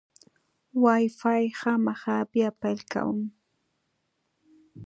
وای فای خامخا بیا پیل کوم.